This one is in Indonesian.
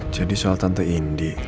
jadi soal tante indi